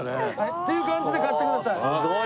っていう感じで買ってください。